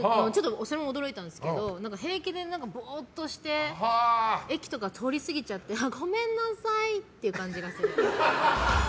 それも驚いたんですけど平気でボーっとして駅とか通り過ぎちゃってごめんなさいっていう感じがする。